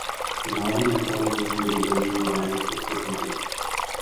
The Northern and Southern wings of the building were added subsequently.